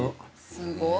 すごい。